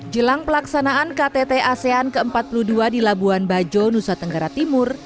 jelang pelaksanaan ktt asean ke empat puluh dua di labuan bajo nusa tenggara timur